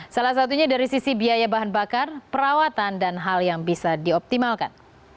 salah satunya dari sisi biaya bahan bakar perawatan dan hal yang bisa dioptimalkan